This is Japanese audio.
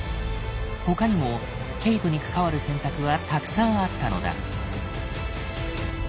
他にもケイトに関わる選択はたくさんあったのだ。